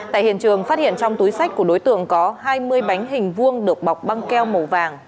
tại hiện trường phát hiện trong túi sách của đối tượng có hai mươi bánh hình vuông được bọc băng keo màu vàng